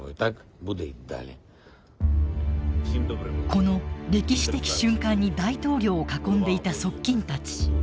この歴史的瞬間に大統領を囲んでいた側近たち。